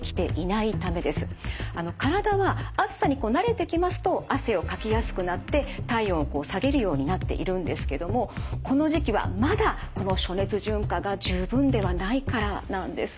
体は暑さに慣れてきますと汗をかきやすくなって体温をこう下げるようになっているんですけどもこの時期はまだこの暑熱順化が十分ではないからなんです。